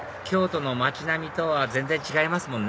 京都の町並みとは全然違います